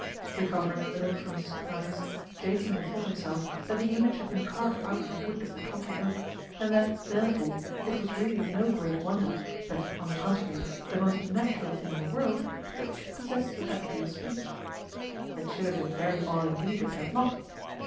Recovering a little from his surprise, Jason bethought himself that the image had been carved out of the wood of the Talking Oak, and that, therefore, it was really no great wonder, but, on the contrary, the most natural thing in the world, that it should possess the faculty of speech. It should have been very odd indeed if it had not.